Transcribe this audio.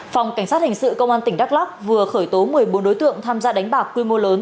phòng cảnh sát hình sự công an tỉnh đắk lóc vừa khởi tố một mươi bốn đối tượng tham gia đánh bạc quy mô lớn